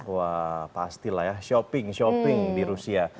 wah pastilah ya shopping shopping di rusia